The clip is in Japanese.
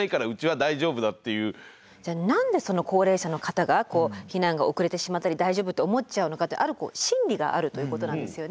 じゃあ何でその高齢者の方がこう避難が遅れてしまったり大丈夫って思っちゃうのかってある心理があるということなんですよね。